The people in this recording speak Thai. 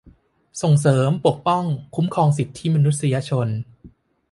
ส่งเสริม ปกป้อง คุ้มครองสิทธิมนุษยชน